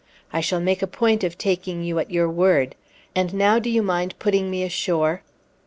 I shall make a point of taking you at your word. And now do you mind putting me ashore?"